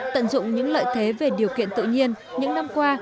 tận dụng những lợi thế về điều kiện tự nhiên những năm qua